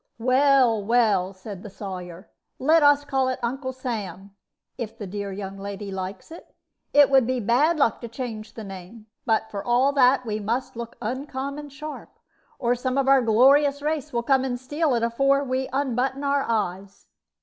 "Well, well," said the Sawyer, "let us call it 'Uncle Sam,' if the dear young lady likes it; it would be bad luck to change the name; but, for all that, we must look uncommon sharp, or some of our glorious race will come and steal it afore we unbutton our eyes."